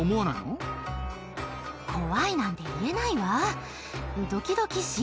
怖いなんて言えないわ。